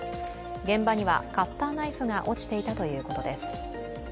現場にはカッターナイフが落ちていたということです。